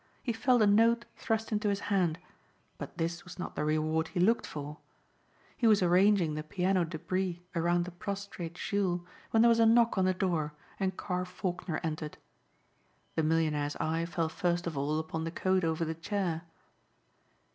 He felt a note thrust into his hand but this was not the reward he looked for. He was arranging the piano débris around the prostrate Jules when there was a knock on the door and Carr Faulkner entered. The millionaire's eye fell first of all upon the coat over the chair.